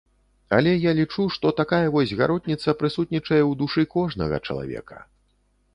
Але я лічу, што такая вось гаротніца прысутнічае ў душы кожнага чалавека.